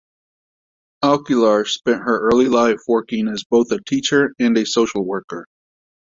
Alquilar spent her early life working as both a teacher and a social worker.